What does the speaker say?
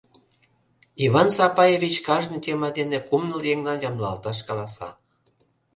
Иван Сапаевич кажне тема дене кум-ныл еҥлан ямдылалташ каласа.